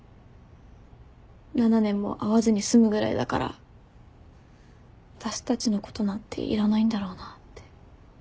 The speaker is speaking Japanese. ７年も会わずに済むぐらいだから私たちのことなんていらないんだろうなって。